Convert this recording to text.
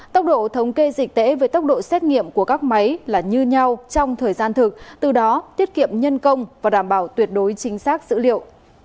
tốc độ thống kê dịch tễ về tốc độ xét nghiệm của các máy là như nhau trong thời gian thực từ đó tiết kiệm nhân công và đảm bảo tuyệt đối chính xác dữ liệu